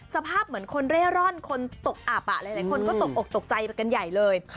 สภาพเหมือนคนเร่ร่อนคนตกอับหลายคนก็ตกอกตกใจกันใหญ่เลย